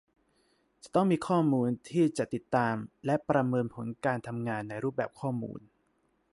จะต้องมีข้อมูลที่จะติดตามและประเมินผลการทำงาน ในรูปแบบข้อมูล